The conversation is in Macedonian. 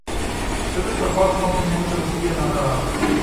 Штета што пак ноќе не може да спие на раат.